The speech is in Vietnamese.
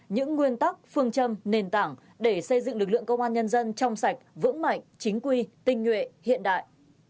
những nguyên tắc phương châm nền tảng để xây dựng lực lượng công an nhân dân trong sạch vững mạnh chính quy tinh nhuệ hiện đại